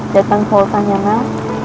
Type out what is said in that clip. datang pulang tahunnya mel